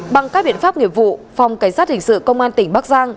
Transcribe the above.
bằng các biện pháp nghiệp vụ phòng cảnh sát hình sự công an tỉnh bắc giang